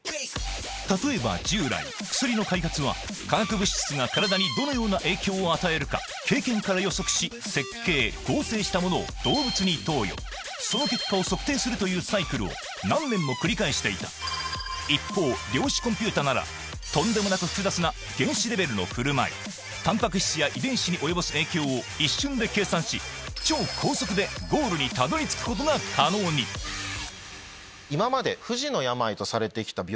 例えば従来薬の開発は化学物質が体にどのような影響を与えるか経験から予測し設計合成したものを動物に投与その結果を測定するというサイクルを何年も繰り返していた一方量子コンピューターならとんでもなく複雑な原子レベルの振る舞いタンパク質や遺伝子に及ぼす影響を一瞬で計算し超高速でゴールにたどり着くことが可能に今まで。